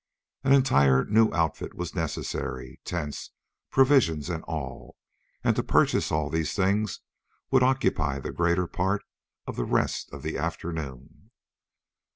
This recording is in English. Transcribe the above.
An entire new outfit was necessary tents, provisions and all, and to purchase all these things would occupy the greater part of the rest of the afternoon.